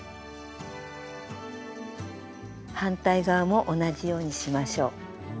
反対側も同じようにしましょう。